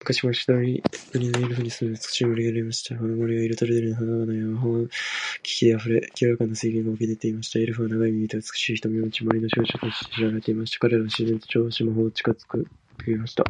昔々、遠い国にエルフの住む美しい森がありました。この森は、色とりどりの花々や魔法の木々で溢れ、清らかな水源が湧き出ていました。エルフは、長い耳と美しい瞳を持ち、森の守護者として知られていました。彼らは自然と調和し、魔法の力を扱うことができました。